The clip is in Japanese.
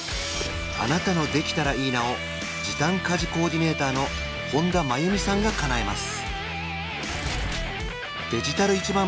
あなたの「できたらいいな」を時短家事コーディネーターの本多真弓さんがかなえます